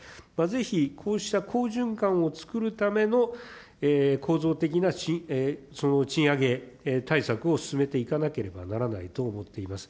ぜひ、こうした好循環をつくるための構造的な賃上げ対策を進めていかなければならないと思っています。